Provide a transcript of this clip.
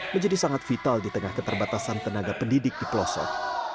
menjadi sangat vital di tengah keterbatasan tenaga pendidik di pelosok